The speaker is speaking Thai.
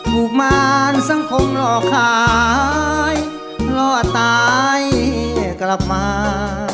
ทุกวันสังคมรอขายรอตายกลับมา